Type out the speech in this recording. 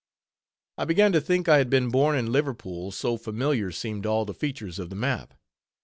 I began to think I had been born in Liverpool, so familiar seemed all the features of the map.